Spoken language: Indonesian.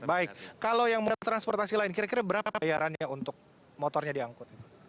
baik kalau yang moda transportasi lain kira kira berapa bayarannya untuk motornya diangkut